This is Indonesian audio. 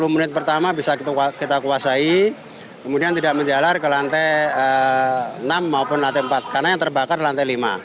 sepuluh menit pertama bisa kita kuasai kemudian tidak menjalar ke lantai enam maupun lantai empat karena yang terbakar lantai lima